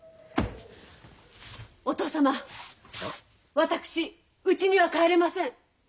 私うちには帰れません。